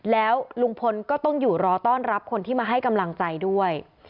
แล้วลุงพลก็ต้องอยู่รอต้อนรับคนที่มาให้กำลังใจด้วย